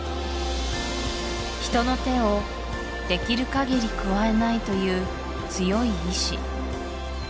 人の手をできる限り加えないという強い意志